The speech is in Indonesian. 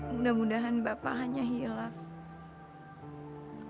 mudah mudahan bapak hanya hilaf